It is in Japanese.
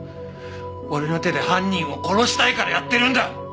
俺の手で犯人を殺したいからやってるんだ！